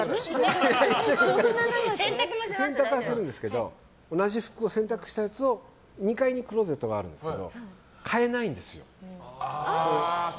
洗濯はするんですけど同じ服を洗濯したやつを２階にクローゼットがあるんですけど替えないんですよ。